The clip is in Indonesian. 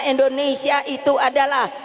indonesia itu adalah